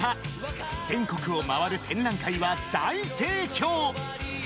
［全国を回る展覧会は大盛況］